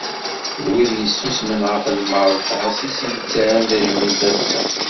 D wid yessusemen ɣef lmerta-s i s-yettarran tajmilt assa.